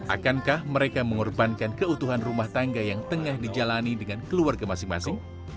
akankah mereka mengorbankan keutuhan rumah tangga yang tengah dijalani dengan keluarga masing masing